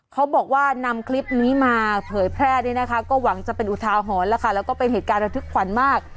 เขาบอกว่านำคลิปนี้มาเผยแพร่เนี่ยนะคะก็หวังจะเป็นอุทาหรณ์แล้วค่ะแล้วก็เป็นเหตุการณ์ระทึกขวัญมาก